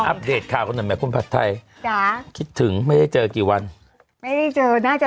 าวอัพเดตขาวของคุณผัตรไทพิยาคิดถึงไม่ได้เจอกี่วันไม่ได้เจอน่าจะ